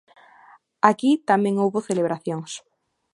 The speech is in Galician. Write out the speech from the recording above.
Aquí tamén houbo celebracións.